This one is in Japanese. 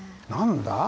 何だ？